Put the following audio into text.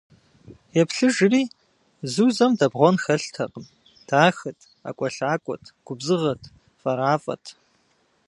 Еплъыжри - Зузэм дэбгъуэн хэлътэкъым: дахэт, ӏэкӏуэлъакӏуэт, губзыгъэт, фӏэрафӏэт!